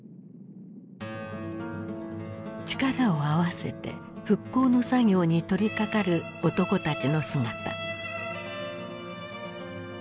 力を合わせて復興の作業に取りかかる男たちの姿。